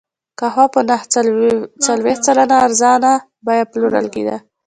قهوه په نهه څلوېښت سلنه ارزانه بیه پېرل کېده.